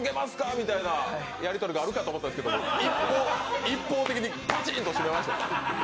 みたいなやり取りがあるかと思ったんですが一方的にばちんと締めましたね。